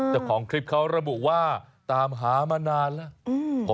เจ้าของคลิปเขาระบุว่าตามหามานานแล้ว